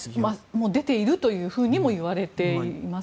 もう出ているというふうにも言われています。